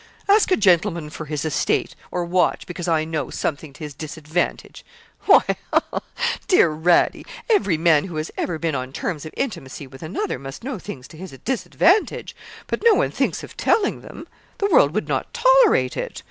Ask a gentleman for his estate, or watch, because I know something to his disadvantage! Why, ha, ha! dear Radie, every man who has ever been on terms of intimacy with another must know things to his disadvantage, but no one thinks of telling them. The world would not tolerate it.